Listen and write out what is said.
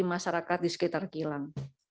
masyarakat di sekitar kilang